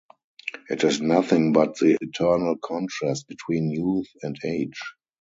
It is nothing but the eternal contrast between youth and age.